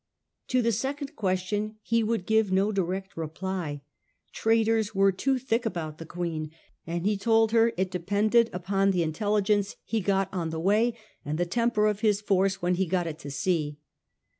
To the second question he would give no direct reply. Traitors were too thick about the Queen ; and he told her it depended upon the intelligence he got on the 140 SIJ^ FRANCIS DRAKE chap. way, and the temper of his force when he got it to sea.